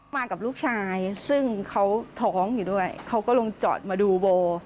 มากับลูกชายซึ่งเขาท้องอยู่ด้วยเขาก็ลงจอดมาดูโบ